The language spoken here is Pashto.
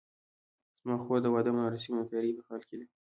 زما خور د واده د مراسمو د تیارۍ په حال کې ده